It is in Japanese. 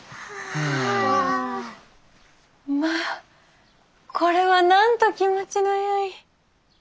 これはなんと気持ちのよい。